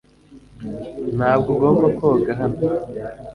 Ntabwo ugomba koga hano .